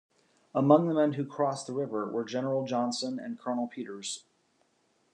Among the men who crossed the river were General Johnson and Colonel Peters.